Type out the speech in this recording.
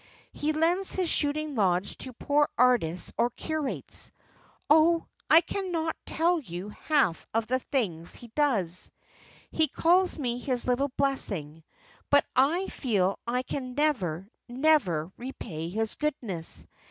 He lends his shooting lodge to poor artists or curates. Oh! I cannot tell you half of the things he does. He calls me his little blessing; but I feel I can never, never, repay his goodness."